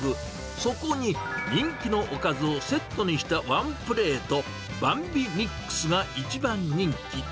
そこに人気のおかずをセットにしたワンプレート、バンビミックスが一番人気。